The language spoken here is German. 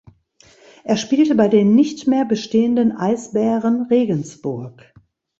Er spielte bei den nicht mehr bestehenden Eisbären Regensburg.